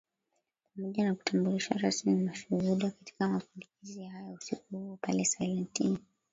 Pamoja na kutambulishwa rasmi mashuhuda katika mapinduzi haya usiku huo pale Silent Inn